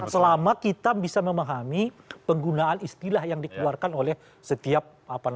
selama kita bisa memahami penggunaan istilah yang dikeluarkan oleh setiap pelaku di dalam peristiwa ini